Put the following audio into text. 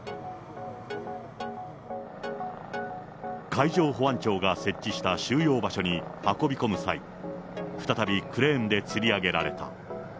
海上保安庁が設置した収容場所に運び込む際、再びクレーンでつり上げられた。